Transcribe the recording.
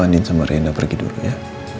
aku andiin sama reinda pergi dulu ya